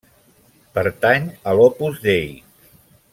Pertany a l'Opus Dei.